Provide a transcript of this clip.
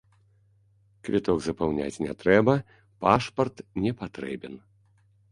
Квіток запаўняць не трэба, пашпарт не патрэбен.